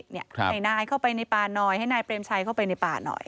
นายเข้าไปในป่าหน่อยให้นายเปรมชัยเข้าไปในป่าหน่อย